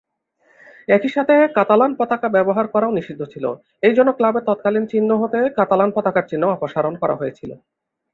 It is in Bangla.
একই সাথে কাতালান পতাকা ব্যবহার করাও নিষিদ্ধ ছিল, এই জন্য ক্লাবের তৎকালীন চিহ্ন হতে কাতালান পতাকার চিহ্ন অপসারণ করা হয়েছিল।